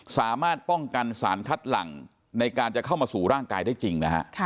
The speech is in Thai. สามารถป้องกันสารคัดหลังในการจะเข้ามาสู่ร่างกายได้จริงนะฮะ